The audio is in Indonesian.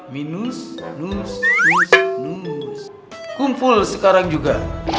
minus anus kompol sekarang juga